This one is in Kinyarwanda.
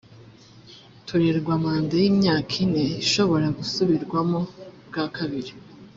bturerwa manda y’imyaka ine ishobora gusubirwamo bwa kabiri